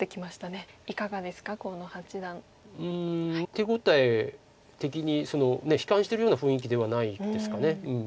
手応え的に悲観してるような雰囲気ではないですか。